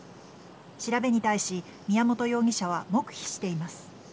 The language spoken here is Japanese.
調べに対し宮本容疑者は黙秘しています。